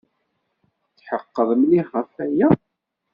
Tetḥeqqeḍ mliḥ ɣef waya?